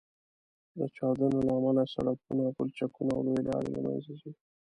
د چاودنو له امله سړکونه، پولچکونه او لویې لارې له منځه ځي